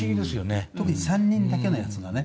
矢沢：特に３人だけのやつがね